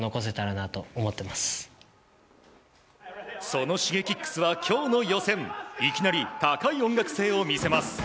そのＳｈｉｇｅｋｉｘは今日の予選いきなり高い音楽性を見せます。